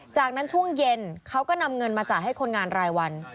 จากนั้นช่วงเย็นเขาก็นำเงินมาจ่ายให้คนงานรายวัน